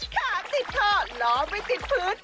ขาดติดท่อหลอติดติดพืช